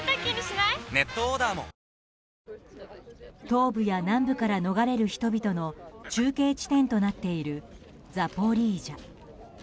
東部や南部から逃れる人々の中継地点となっているザポリージャ。